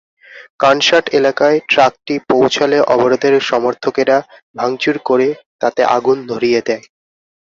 কানসাট এলাকায় ট্রাকটি পৌঁছালে অবরোধের সমর্থকেরা ভাঙচুর করে তাতে আগুন ধরিয়ে দেয়।